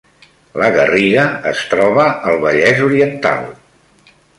La Garriga es troba al Vallès Oriental